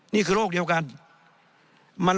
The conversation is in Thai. นี่คือโรคเดียวกัน